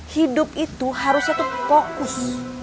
hidup itu harusnya tuh fokus